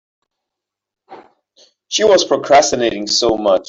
She was procrastinating so much.